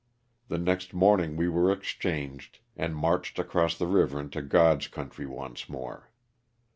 The next morning we were exchanged and marched across the river into Grod's country once more.